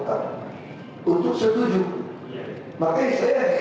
baru bisa termasuk pak